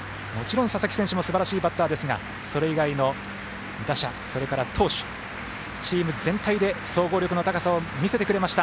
もちろん佐々木選手もすばらしいバッターですがそれ以外の打者それから投手、チーム全体で総合力の高さを見せてくれました。